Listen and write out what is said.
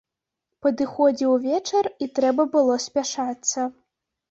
Падыходзіў вечар, і трэба было спяшацца.